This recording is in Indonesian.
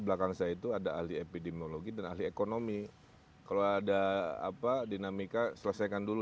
belakang saya itu ada ahli epidemiologi dan ahli ekonomi kalau ada apa dinamika selesaikan dulu